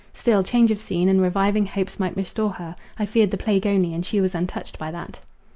Still change of scene, and reviving hopes might restore her; I feared the plague only, and she was untouched by that.